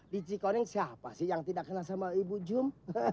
di cikoreng siapa sih yang tidak kenal sama ibu jum